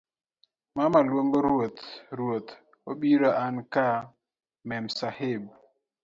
mama luongo ruoth ruoth. obiro anka Memsahib.